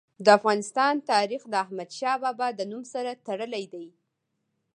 د افغانستان تاریخ د احمد شاه بابا د نوم سره تړلی دی.